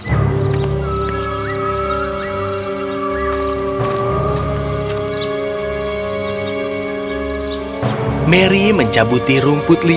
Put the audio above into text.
apa yang harus aku lakukan